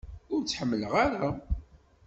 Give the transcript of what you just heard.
Ur tt-ḥemmleɣ ara.